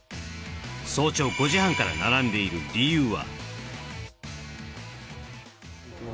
早朝５時半から並んでいる理由は？